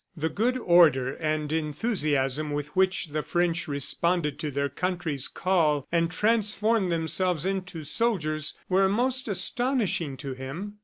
The good order and enthusiasm with which the French responded to their country's call and transformed themselves into soldiers were most astonishing to him.